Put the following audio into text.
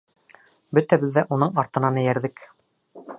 Бөтәбеҙ ҙә уның артынан эйәрҙек.